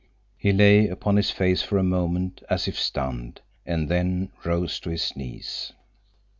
He lay upon his face for a moment, as if stunned, and then rose to his knees.